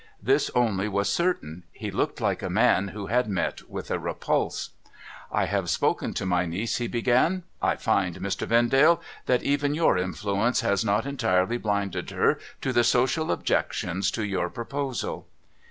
This only was certain — he looked like a man who had met with a repulse. ' I have spoken to my niece,' he began. ' I find, Mr. Vendale, that even your influence has not entirely blinded her to the social objections to your proposal.'